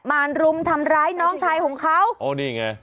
รุมทำร้ายน้องชายของเขาอ๋อนี่ไง